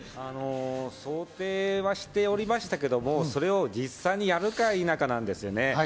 想定はしておりましたけれども、それを実際にやるか否かなんです。